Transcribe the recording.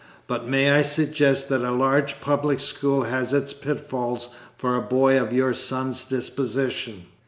But, may I suggest that a large public school has its pitfalls for a boy of your son's disposition?